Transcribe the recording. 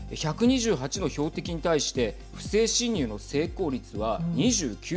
１２８の標的に対して不正侵入の成功率は２９％。